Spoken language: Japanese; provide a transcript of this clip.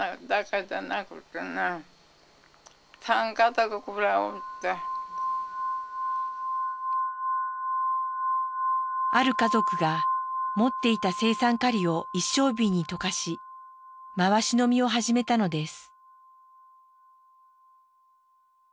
それで今ある家族が持っていた青酸カリを一升瓶に溶かし回し飲みを始めたのです。